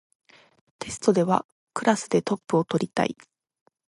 テストではクラスでトップを取りたい